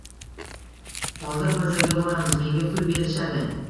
Xozir bir joyga boramiz, menga pul berishadi.